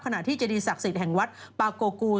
ที่เจดีศักดิ์สิทธิ์แห่งวัดปาโกกูล